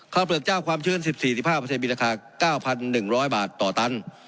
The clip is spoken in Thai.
เปลือกเจ้าความชื้น๑๔๑๕มีราคา๙๑๐๐บาทต่อตัน